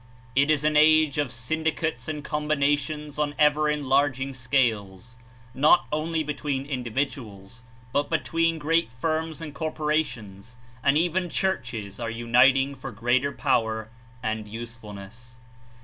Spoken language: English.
It is an age of syndicates and combinations on ever en larging scales — not only between individuals but be tween great firms and corporations, and even churches are uniting for greater power and usefulness.